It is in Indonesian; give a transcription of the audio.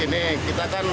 ini kita kan